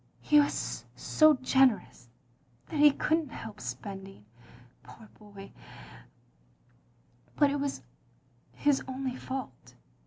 He was so generous that he could n't help spending, poor boy, — ^but it was his only fault.